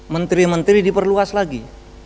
menteri menteri diperluas lagi